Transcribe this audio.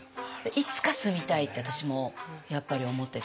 いつか住みたいって私もやっぱり思ってて。